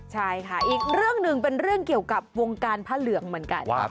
ใช่ค่ะอีกเรื่องหนึ่งเป็นเรื่องเกี่ยวกับวงการพระเหลืองเหมือนกัน